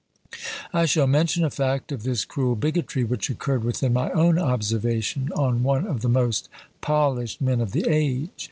I shall mention a fact of this cruel bigotry, which occurred within my own observation, on one of the most polished men of the age.